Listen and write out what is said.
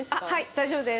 大丈夫です。